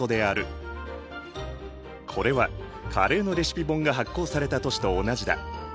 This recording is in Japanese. これはカレーのレシピ本が発行された年と同じだ。